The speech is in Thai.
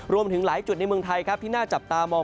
รวมถึงหลายจุดในเมืองไทยครับที่น่าจับตามอง